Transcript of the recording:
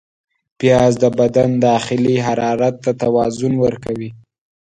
پیاز د بدن داخلي حرارت ته توازن ورکوي